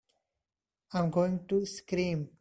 I'm going to scream!